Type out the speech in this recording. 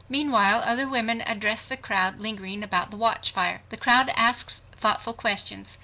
Meanwhile other women address the crowd lingering about the watchfire. The crowd asks thoughtful questions.